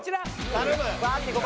頼む！